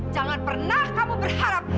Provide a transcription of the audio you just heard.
jangan pernah kamu berharap